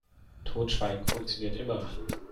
Totschweigen funktioniert immer.